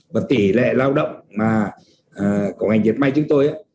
và tỷ lệ lao động của ngành diệt may chúng tôi